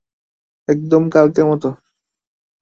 একদম কালকের মতো।